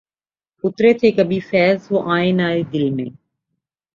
اترے تھے کبھی فیضؔ وہ آئینۂ دل میں